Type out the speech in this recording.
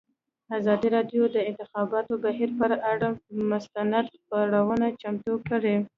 ازادي راډیو د د انتخاباتو بهیر پر اړه مستند خپرونه چمتو کړې.